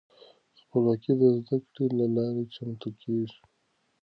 خپلواکې د زده کړې له لارې چمتو کیږي.